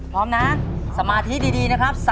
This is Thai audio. พร้อมนะสมาธิดีนะครับ